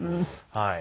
はい。